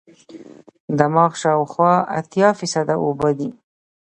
دماغ شاوخوا اتیا فیصده اوبه دي.